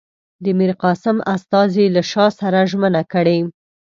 د میرقاسم استازي له شاه سره ژمنه کړې.